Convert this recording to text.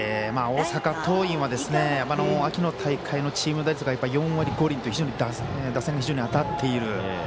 大阪桐蔭は秋の大会のチーム打率が４割５厘と打線が非常に当たっている。